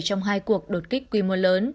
trong hai cuộc đột kích quy mô lớn